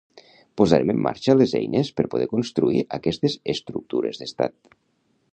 Posarem en marxa les eines per poder construir aquestes estructures d’estat.